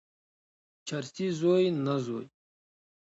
چرسي زوی، نه زوی.